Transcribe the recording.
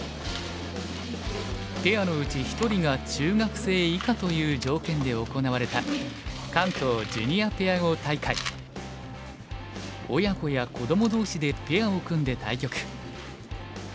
ペアのうち１人が中学生以下という条件で行われた親子や子ども同士でペアを組んで対局。